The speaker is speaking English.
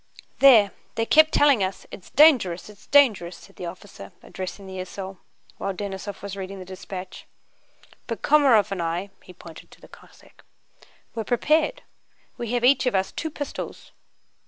"There, they kept telling us: 'It's dangerous, it's dangerous,'" said the officer, addressing the esaul while Denísov was reading the dispatch. "But Komaróv and I"—he pointed to the Cossack—"were prepared. We have each of us two pistols....